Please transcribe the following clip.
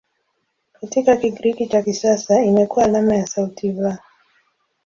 Katika Kigiriki cha kisasa imekuwa alama ya sauti "V".